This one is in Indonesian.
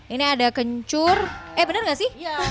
ini ada kencur eh bener gak sih